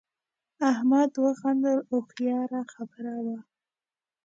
احمد وخندل هوښیاره خبره وه.